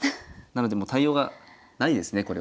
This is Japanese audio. なのでもう対応がないですね